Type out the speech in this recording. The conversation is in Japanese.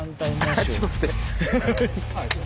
あっちょっと待って。